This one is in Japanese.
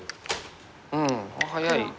うん早い。